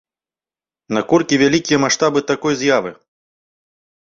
Наколькі вялікія маштабы такой з'явы?